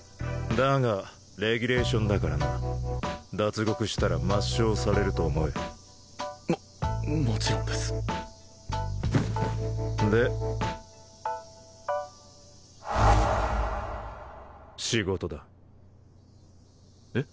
だがレギュレーションだからな脱獄したら抹消されると思えももちろんですで仕事だえっ